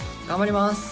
頑張ります！